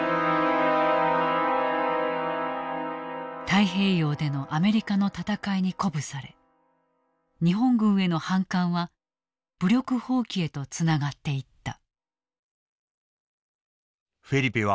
太平洋でのアメリカの戦いに鼓舞され日本軍への反感は武力蜂起へとつながっていった。